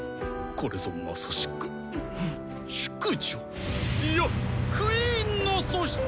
これぞまさしく淑女いやクイーンの素質！